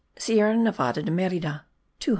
Sierra Nevada de Merida : 200.